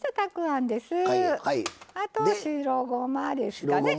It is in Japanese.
あと白ごまですかね。